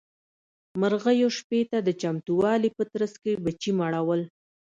مرغيو شپې ته د چمتووالي په ترڅ کې بچي مړول.